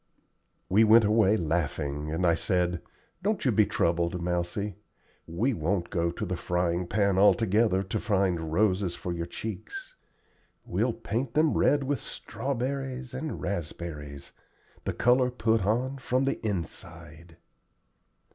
We went away laughing, and I said: "Don't you be troubled, Mousie; we won't go to the frying pan altogether to find roses for your cheeks. We'll paint them red with strawberries and raspberries, the color put on from the inside."